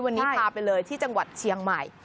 วันนี้พาไปเลยที่จังหวัดเชียงใหม่